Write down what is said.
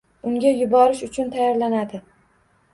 Unga yuborish uchun tayyorlanadi.